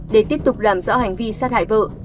để tiếp tục làm rõ hành vi sát hại vợ